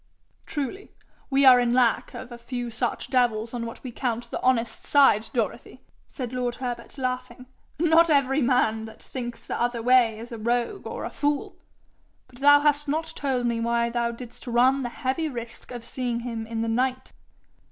'Truly we are in lack of a few such devils on what we count the honest side, Dorothy!' said lord Herbert, laughing. 'Not every man that thinks the other way is a rogue or a fool. But thou hast not told me why thou didst run the heavy risk of seeking him in the night.'